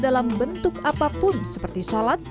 dalam bentuk apapun seperti sholat